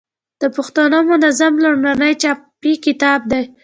د پښتو منظم لومړنی چاپي کتاب دﺉ.